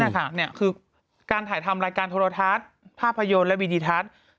นี่ค่ะคือการถ่ายทำรายการโทรทัศน์ภาพยนตร์และวีดิทัศน์